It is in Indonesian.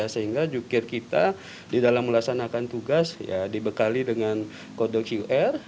sehingga jukir kita di dalam melaksanakan tugas ya dibekali dengan kode qr